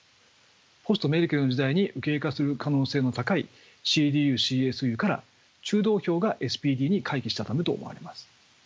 ポストメルケルの時代に右傾化する可能性の高いＣＤＵ／ＣＳＵから中道票がＳＰＤに回帰したためと思われます。